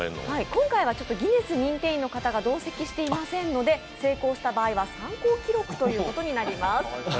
今回はギネス認定員の方が同席していませんので成功した場合は、参考記録ということになります。